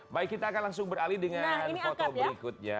baik kita akan langsung beralih dengan foto berikutnya